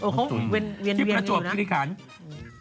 โอ้โฮเวียนอยู่นะ